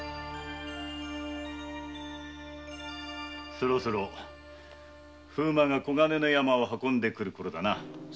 そろそろ風馬が黄金の山を運んでくるころだな。